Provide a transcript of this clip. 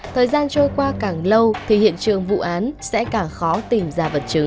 thời gian trôi qua càng lâu thì hiện trường vụ án sẽ càng khó tìm ra vật chứng